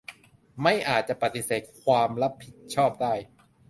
ไม่อาจจะปฏิเสธความรับผิดชอบได้